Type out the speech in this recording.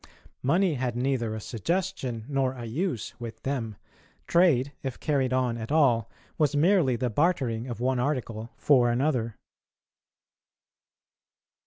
Money had neither a suggestion nor a use with them; trade, if carried on at all, was merely the bartering of one article for another.